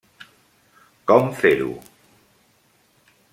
Com fer-ho?